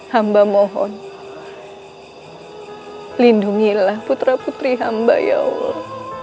hamba mohon lindungilah putra putri hamba ya allah